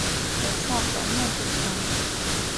留下怀念之情